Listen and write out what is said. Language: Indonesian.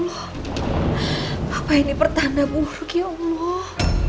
apa ini pertanda buruk ya allah